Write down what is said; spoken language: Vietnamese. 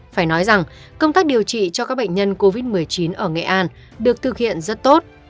phải nói rằng công tác điều trị cho các bệnh nhân covid một mươi chín ở nghệ an được thực hiện rất tốt